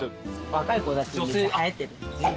若い子たちにはやってる。